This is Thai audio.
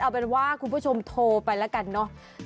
เอาเป็นว่าคุณผู้ชมโทรไปแล้วกันเนอะ